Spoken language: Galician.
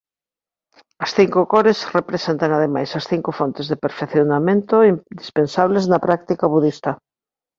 As cinco cores representan ademais as cinco fontes de perfeccionamento indispensables na práctica budista.